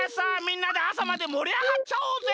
みんなであさまでもりあがっちゃおうぜ！